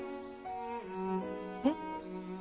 えっ？